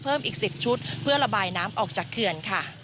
เพิ่มอีก๑๐ชุดเพื่อระบายน้ำออกจากเขื่อนค่ะ